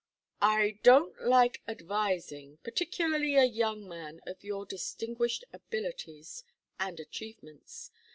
"I don't like advising, particularly a young man of your distinguished abilities and achievements.